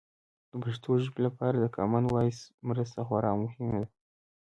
د پښتو ژبې لپاره د کامن وایس مرسته خورا مهمه ده.